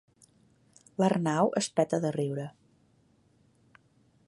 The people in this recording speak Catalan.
L'Arnau es peta de riure.